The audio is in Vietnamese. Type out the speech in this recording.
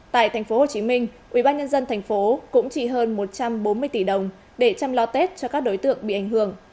tại tp hcm ubnd tp cũng trị hơn một trăm bốn mươi tỷ đồng để chăm lo tết cho các đối tượng bị ảnh hưởng